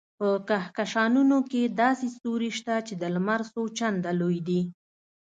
په کهکشانونو کې داسې ستوري شته چې د لمر څو چنده لوی دي.